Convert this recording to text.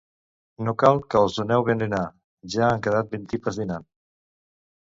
No cal que els doneu berenar: ja han quedat ben tipes dinant.